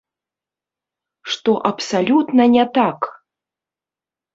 Што абсалютна не так!